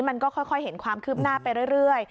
มันก็ค่อยเห็นความคืบหน้าไปเรื่อย